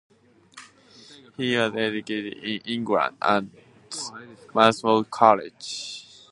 He was educated in England at Marlborough College.